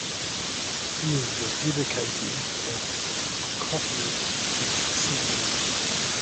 He is the dedicatee of Prokofiev's First Symphony.